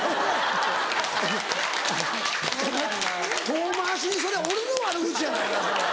遠回しにそれ俺の悪口やないか。